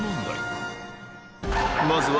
まずは